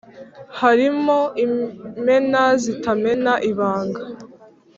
Harimo imena zitamena ibanga